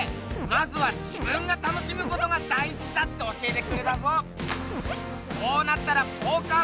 まずは自分が楽しむことが大事だって教えてくれたぞ！